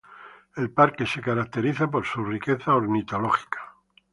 El parque se caracteriza por su riqueza ornitológica.